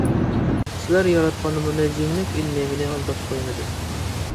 سىلەر ياراتقان مۇنەججىملىك ئىلمى مېنى ئالداپ قويمىدى!